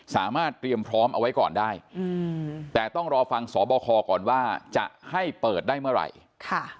สามารถเตรียมพร้อมเอาไว้ก่อนได้อืมแต่ต้องรอฟังสบคก่อนว่าจะให้เปิดได้เมื่อไหร่ค่ะ